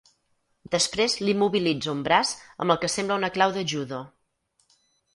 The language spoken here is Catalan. Després li immobilitza un braç amb el que sembla una clau de judo.